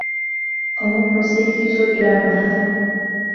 ئەوە پرۆسەیەکی زۆر گرانبەهایە.